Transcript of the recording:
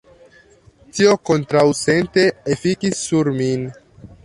Tio kontraŭsente efikis sur min.